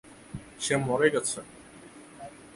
সে মরে গেছে।